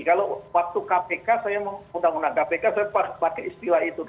kalau waktu kpk saya undang undang kpk saya pakai istilah itu